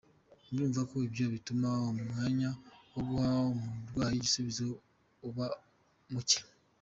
Murumva ko ibyo bituma umwanya wo guha umurwayi igisubizo uba muke.